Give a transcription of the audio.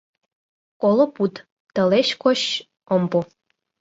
Коло пуд — тылеч коч ом пу!